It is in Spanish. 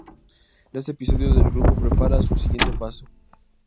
En este episodio el grupo prepara su siguiente paso.